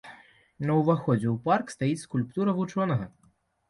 На ўваходзе ў парк стаіць скульптура вучонага.